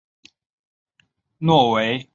诺维昂奥普雷。